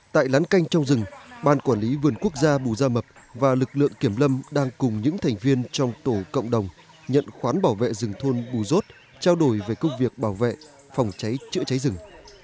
tại lán canh trong rừng ban quản lý vườn quốc gia bù gia mập và lực lượng kiểm lâm đang cùng những thành viên trong tổ cộng đồng nhận khoán bảo vệ rừng thôn bù rốt trao đổi về công việc bảo vệ phòng cháy chữa cháy rừng